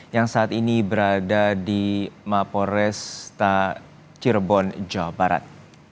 dan juga di mapolres cirebon jawa barat